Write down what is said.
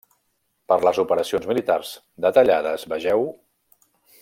Per les operacions militars detallades vegeu: